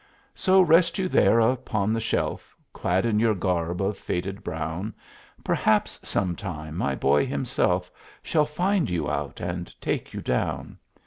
So rest you there upon the shelf, Clad in your garb of faded brown; Perhaps, sometime, my boy himself Shall find you out and take you down.